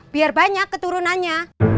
biar banyak keturunannya